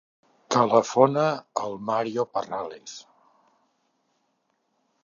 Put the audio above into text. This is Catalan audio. Telefona al Mario Parrales.